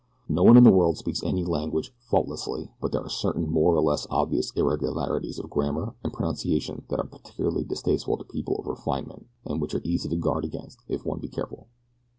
No one in the world speaks any language faultlessly, but there are certain more or less obvious irregularities of grammar and pronunciation that are particularly distasteful to people of refinement, and which are easy to guard against if one be careful."